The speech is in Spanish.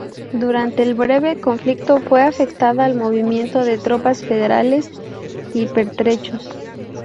Durante el breve conflicto fue afectada al movimiento de tropas federales y pertrechos.